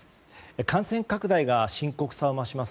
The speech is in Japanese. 感染拡大が深刻さを増します